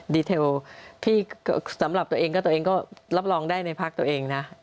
เทลที่สำหรับตัวเองก็ตัวเองก็รับรองได้ในพักตัวเองนะ